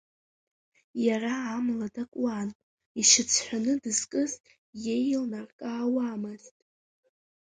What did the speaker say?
Иара амла дакуан, ишьацҳәаны дызкыз иеилнаркаауамызт.